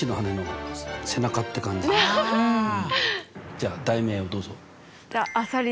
じゃあ題名をどうぞ。